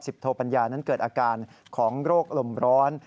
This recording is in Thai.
โทปัญญานั้นเกิดอาการของโรคลมร้อน